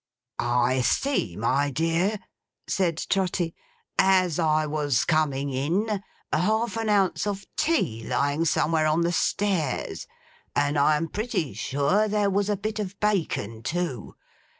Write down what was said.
'I see, my dear,' said Trotty, 'as I was coming in, half an ounce of tea lying somewhere on the stairs; and I'm pretty sure there was a bit of bacon too.